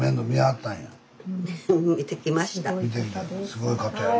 すごい方やな。